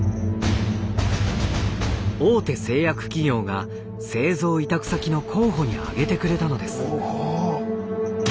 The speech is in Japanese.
大手製薬企業が製造委託先の候補にあげてくれたのです。